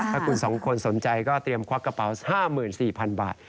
ถ้าคุณ๒คนสนใจก็เตรียมควักกระเป๋า๕๔๐๐๐บาท